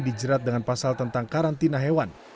dijerat dengan pasal tentang karantina hewan